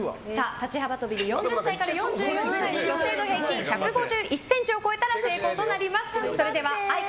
立ち幅跳びで４０歳から４４歳の女性の平均１５０ｃｍ超えたら成功となります。